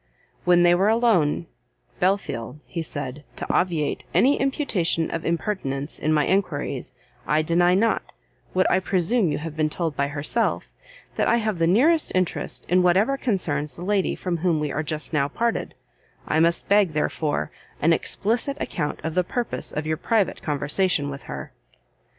When they were alone, "Belfield," he said, "to obviate any imputation of impertinence in my enquiries, I deny not, what I presume you have been told by herself, that I have the nearest interest in whatever concerns the lady from whom we are just now parted: I must beg, therefore, an explicit account of the purpose of your private conversation with her."